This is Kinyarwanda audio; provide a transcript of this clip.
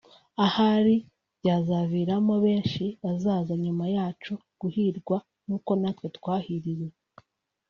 ahari byazaviramo benshi bazaza nyuma yacu guhirwa nk’uko natwe twahiriwe